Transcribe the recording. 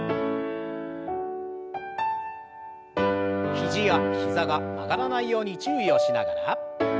肘や膝が曲がらないように注意をしながら。